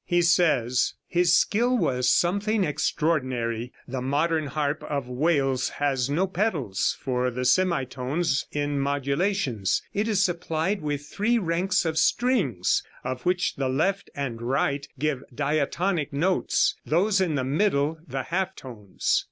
He says: "His skill was something extraordinary. The modern harp of Wales has no pedals for the semitones in modulations. It is supplied with three ranks of strings, of which the left and right give diatonic notes, those in the middle the half tones.